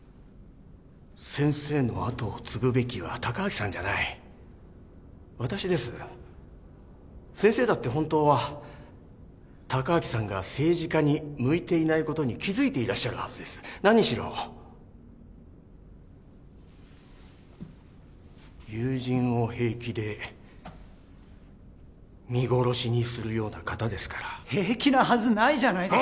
先生の後を継ぐべきは隆明さんじゃない私です先生だって本当は隆明さんが政治家に向いていないことに気づいていらっしゃるはず何しろ友人を平気で見殺しにするような方ですから平気なはずないじゃないですか・